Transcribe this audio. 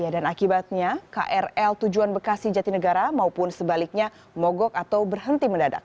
dan akibatnya krl tujuan bekasi jati negara maupun sebaliknya mogok atau berhenti mendadak